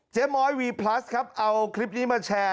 ม้อยวีพลัสครับเอาคลิปนี้มาแชร์